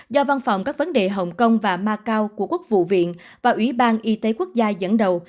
do văn phòng các vấn đề hồng kông và macau của quốc vụ viện và ủy ban y tế quốc gia dẫn đầu